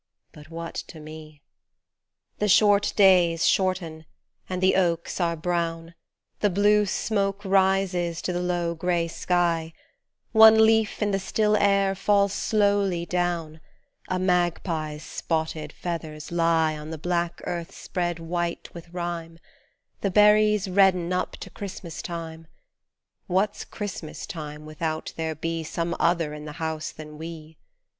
But what to me ? ii The short days shorten and the oaks are brown, The blue smoke rises to the low grey sky, One leaf in the still air falls slowly down, A magpie's spotted feathers lie On the black earth spread white with rime, The berries redden up to Christmas time. What's Christmas time without there be Some other in the house than we